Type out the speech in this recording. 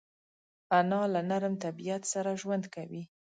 انا له نرم طبیعت سره ژوند کوي